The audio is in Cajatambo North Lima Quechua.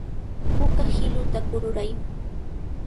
Puka hiluta kururay.